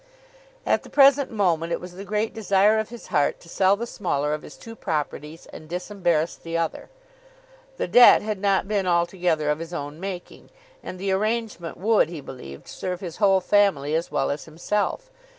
At the present moment, it was the great desire of his heart to sell the smaller of his two properties and disembarrass the other. The debt had not been altogether of his own making, and the arrangement would, he believed, serve his whole family as well as himself.